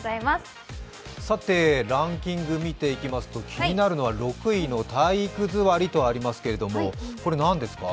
ランキング見ていきますと気になるのは６位の体育座りとありますけど、これ何ですか？